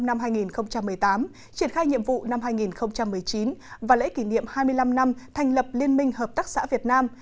năm hai nghìn một mươi tám triển khai nhiệm vụ năm hai nghìn một mươi chín và lễ kỷ niệm hai mươi năm năm thành lập liên minh hợp tác xã việt nam